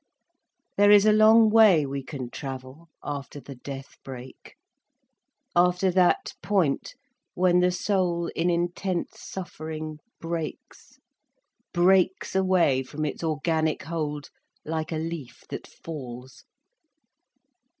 There is a long way we can travel, after the death break: after that point when the soul in intense suffering breaks, breaks away from its organic hold like a leaf that falls.